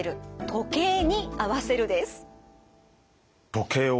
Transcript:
時計「を」